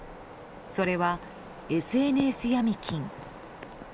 それは、ＳＮＳヤミ金。